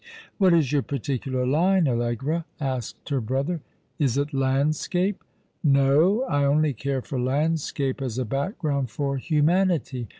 ''" What is your particular line, Allegra ?" asked her brother. "Is it landscape? " "No; I only care for landscape as a background for humanity.